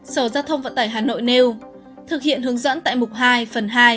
sở giao thông vận tải hà nội nêu thực hiện hướng dẫn tại mục hai phần hai